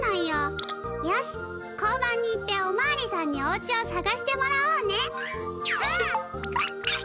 よし交番に行っておまわりさんにおうちをさがしてもらおうね。